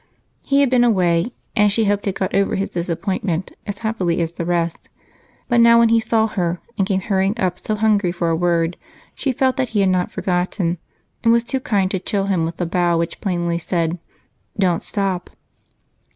He had been away, and she hoped had gotten over his disappointment as happily as the rest, but now when he saw her, and came hurrying up so hungry for a word, she felt that he had not forgotten and was too kind to chill him with the bow which plainly says "Don't stop."